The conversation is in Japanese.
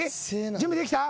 準備できた？